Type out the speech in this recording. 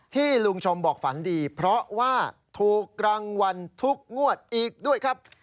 ลุงชมบอกฝันดีเพราะว่าถูกรางวัลทุกงวดอีกด้วยครับ